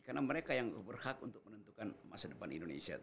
karena mereka yang berhak untuk menentukan masa depan indonesia